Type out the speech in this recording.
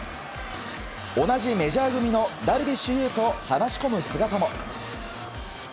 同じメジャー組のダルビッシュ有と話し込む姿も。